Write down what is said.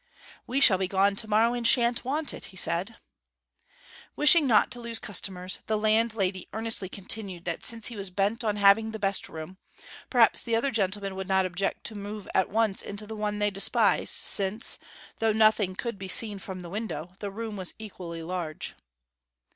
'We shall be gone tomorrow, and shan't want it,' he said. Wishing not to lose customers, the landlady earnestly continued that since he was bent on having the best room, perhaps the other gentleman would not object to move at once into the one they despised, since, though nothing could be seen from the window, the room was equally large.